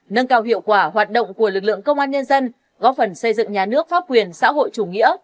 nâng cao hiệu quả hoạt động của lực lượng công an nhân dân góp phần xây dựng nhà nước pháp quyền xã hội chủ nghĩa